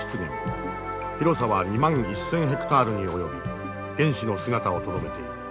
広さは２万１，０００ヘクタールに及び原始の姿をとどめている。